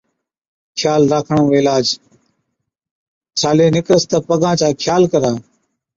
خيال راکڻ ائُون عِلاج، ڇالي نِڪرس تہ پگان چا خيال ڪرا،